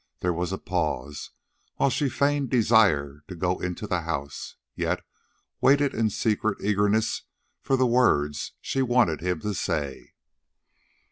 There was a pause, while she feigned desire to go into the house, yet waited in secret eagerness for the words she wanted him to say.